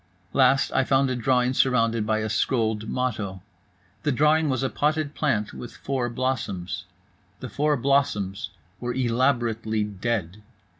Last, I found a drawing surrounded by a scrolled motto. The drawing was a potted plant with four blossoms. The four blossoms were elaborately dead.